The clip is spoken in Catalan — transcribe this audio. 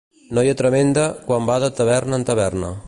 Noia tremenda quan va de taverna en taverna.